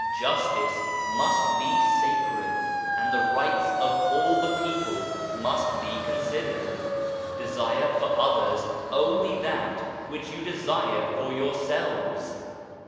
Justice must be sacred, and the rights of all the people must be considered. Desire for others only that which you desire for yourselves.